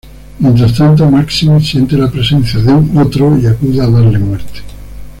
Mientras tanto, Maxim siente la presencia de un Otro y acude a darle muerte.